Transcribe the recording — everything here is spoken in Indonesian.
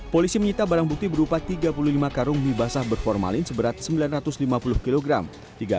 polisi menyita barang bukti berupa tiga puluh lima karung mie basah berformalin seberat sembilan ratus lima puluh kilogram